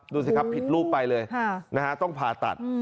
ดูสิครับผิดรูปไปเลยต้องผ่าตัด